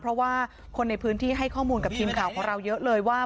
เพราะว่าคนในพื้นที่ให้ข้อมูลกับทีมข่าวของเราเยอะเลยว่า